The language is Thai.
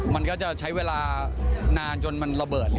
มันก็จะใช้เวลานานจนมันระเบิด